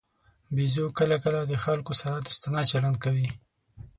بیزو کله کله د خلکو سره دوستانه چلند کوي.